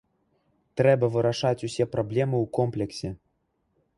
Трэба вырашаць усе праблемы ў комплексе.